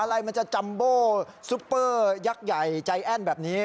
อะไรมันจะจัมโบซุปเปอร์ยักษ์ใหญ่ใจแอ้นแบบนี้